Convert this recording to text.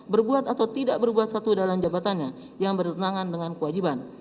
berbuat atau tidak berbuat satu dalam jabatannya yang bertentangan dengan kewajiban